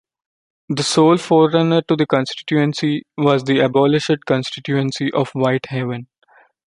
The sole forerunner to the constituency was the abolished constituency of Whitehaven.